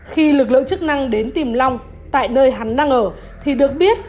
khi lực lượng chức năng đến tìm long tại nơi hắn đang ở thì được biết